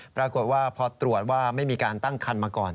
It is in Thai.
ปรากฏว่าพอตรวจว่าไม่มีการตั้งคันมาก่อน